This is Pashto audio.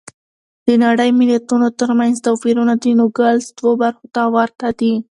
د نړۍ د ملتونو ترمنځ توپیرونه د نوګالس دوو برخو ته ورته دي.